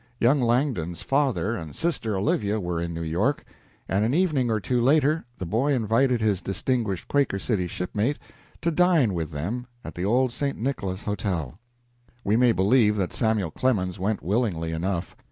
Young Langdon's father and sister Olivia were in New York, and an evening or two later the boy invited his distinguished "Quaker City" shipmate to dine with them at the old St. Nicholas Hotel. We may believe that Samuel Clemens went willingly enough.